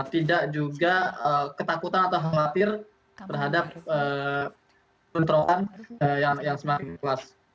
tidak juga ketakutan atau khawatir terhadap bentrokan yang semakin luas